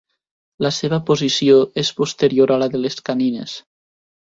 La seva posició és posterior a la de les canines.